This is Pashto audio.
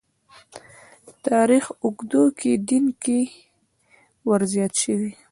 تاریخ اوږدو کې دین کې ورزیات شوي.